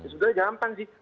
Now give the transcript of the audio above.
sebenarnya gampang sih